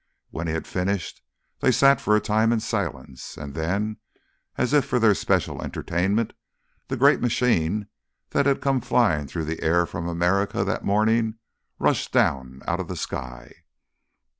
When he had finished they sat for a time in silence; and then, as if for their special entertainment, the great machine that had come flying through the air from America that morning rushed down out of the sky.